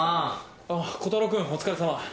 あぁ鼓太朗君お疲れさま。